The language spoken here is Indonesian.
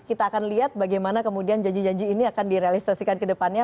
kita akan lihat bagaimana kemudian janji janji ini akan direalisasikan ke depannya